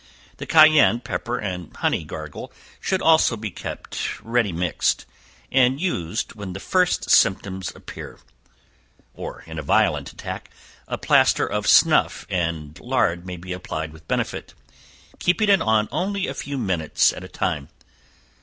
The cayenne pepper and honey gargle should also be kept ready mixed, and used when the first symptoms appear; or in a violent attack, a plaster of snuff and lard may be applied with benefit, keeping it on only a few minutes at a time.